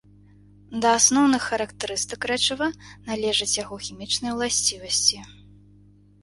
Да асноўных характарыстык рэчыва належаць яго хімічныя ўласцівасці.